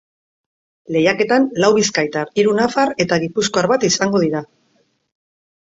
Lehiaketan lau bizkaitar, hiru nafar eta gipuzkoar bat izango dira.